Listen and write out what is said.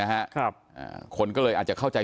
ทางรองศาสตร์อาจารย์ดรอคเตอร์อัตภสิตทานแก้วผู้ชายคนนี้นะครับ